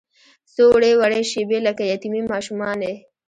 څووړې، وړې شیبې لکه یتیمې ماشومانې